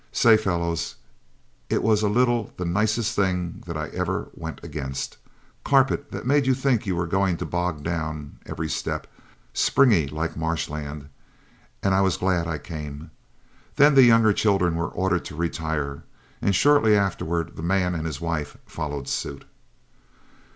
Say, fellows, it was a little the nicest thing that ever I went against. Carpet that made you think you were going to bog down every step, springy like marsh land, and I was glad I came. Then the younger children were ordered to retire, and shortly afterward the man and his wife followed suit.